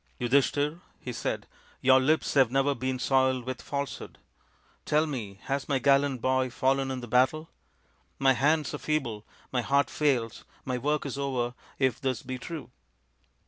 " Yudhishthir," he said, " your lips have never been soiled with falsehood. Tell me, has my gallant boy fallen in the battle ? My hands are feeble, my heart fails, my work is over if this be true."